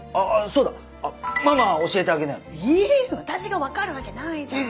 私が分かるわけないじゃん！